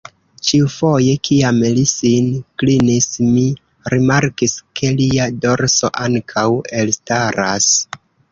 Ĉiufoje kiam li sin klinis, mi rimarkis, ke lia dorso ankaŭ elstaras.